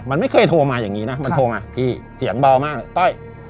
มันไม่เคยโทรมาอย่างนี้นะมันโทรมาพี่เสียงเบามากเลยต้อย